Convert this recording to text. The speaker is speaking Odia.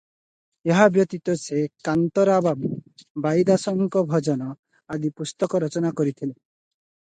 "ଏହା ବ୍ୟତୀତ ସେ "କାନ୍ତରା ବାବୁ", "ବାଇଦାସଙ୍କ ଭଜନ" ଆଦି ପୁସ୍ତକ ରଚନା କରିଥିଲେ ।"